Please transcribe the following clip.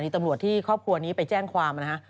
เพราะว่าตอนนี้ก็ไม่มีใครไปข่มครูฆ่า